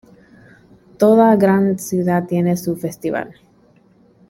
Toda gran ciudad tiene su Festival.